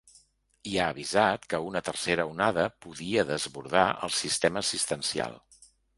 I ha avisat que una tercera onada podia desbordar el sistema assistencial.